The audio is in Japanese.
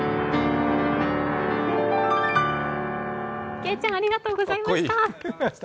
けいちゃんありがとうございました。